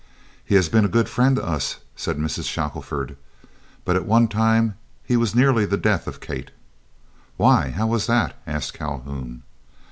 "He has been a good friend to us," said Mrs. Shackelford, "but at one time he was nearly the death of Kate." "Why, how was that?" asked Calhoun.